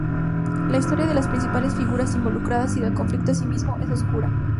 La historia de las principales figuras involucradas y del conflicto mismo es obscura.